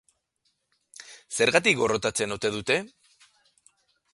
Zergatik gorrotatzen ote dute?